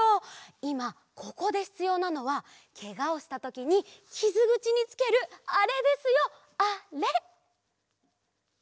いまここでひつようなのはけがをしたときにきずぐちにつけるあれですよあれ！